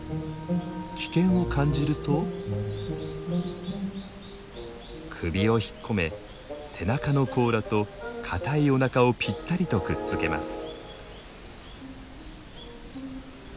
危険を感じると首を引っ込め背中の甲羅と硬いおなかをぴったりとくっつけます。